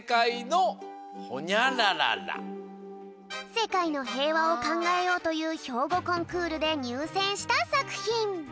せかいのへいわをかんがえようというひょうごコンクールでにゅうせんしたさくひん。